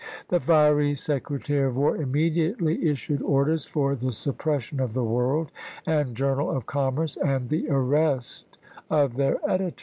The May 19,1864. fiery Secretary of War immediately issued orders for the suppression of the " World " and " Journal of Commerce," and the arrest of their editors.